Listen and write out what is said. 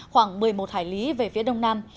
khoảng một mươi một hải lý về phía đông nam